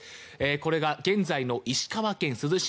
これが現在の石川県珠洲市。